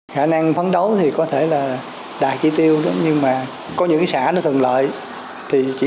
khả năng phấn đấu thì có thể là đạt chỉ tiêu đó nhưng mà có những cái xã nó thường lợi thì chỉ